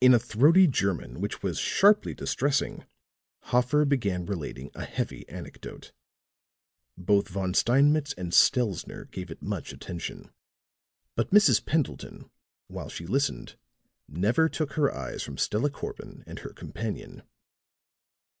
In a throaty German which was sharply distressing, Hoffer began relating a heavy anecdote. Both Von Steinmetz and Stelzner gave it much attention, but Mrs. Pendleton, while she listened, never took her eyes from Stella Corbin and her companion.